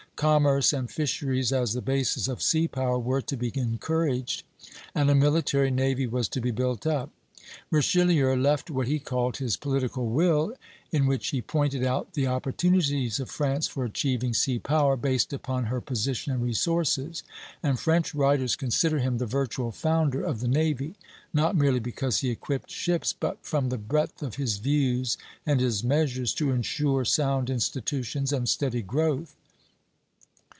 Commerce and fisheries as the basis of sea power were to be encouraged, and a military navy was to be built up. Richelieu left what he called his political will, in which he pointed out the opportunities of France for achieving sea power, based upon her position and resources; and French writers consider him the virtual founder of the navy, not merely because he equipped ships, but from the breadth of his views and his measures to insure sound institutions and steady growth.